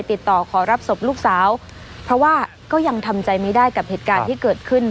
ติดต่อขอรับศพลูกสาวเพราะว่าก็ยังทำใจไม่ได้กับเหตุการณ์ที่เกิดขึ้น